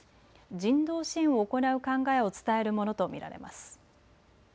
人道支援を行う考えを伝えるものと見られます。